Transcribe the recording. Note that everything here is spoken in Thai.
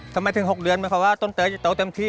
ทำไมถึง๖เดือนหมายความว่าต้นเตยจะโตเต็มที่